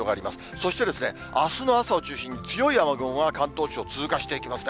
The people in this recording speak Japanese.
そして、あすの朝を中心に強い雨雲が関東地方、通過していきますね。